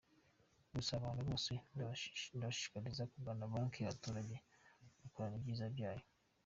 Gusa abantu bose ndabashishikariza kugana banki y’abaturage bakabona ibyiza byayo.